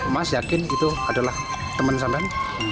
mungkin itu adalah teman teman